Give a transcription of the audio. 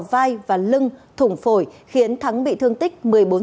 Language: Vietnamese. thắng đã đâm hai nhát vào lưng thủng phổi khiến thắng bị thương tích một mươi bốn